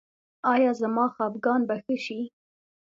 ایا زما خپګان به ښه شي؟